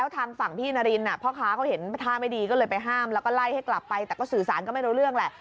แต่ก็สื่อสารก็ไม่รู้เรื่องแหละ